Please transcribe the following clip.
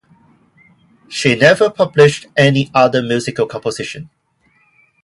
She never published any other musical composition.